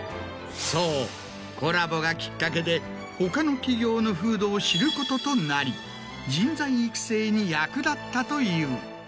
そうコラボがきっかけで他の企業の風土を知ることとなり人材育成に役立ったという。